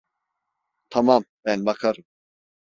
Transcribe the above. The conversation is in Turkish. Tamam, ben bakarım.